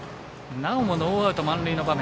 なおもノーアウト、満塁の場面。